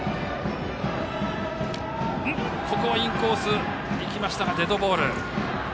ここはインコースに行きましたがデッドボール。